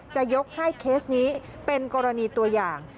จะยกให้เคสนี้เป็นกรณีตัวอย่าง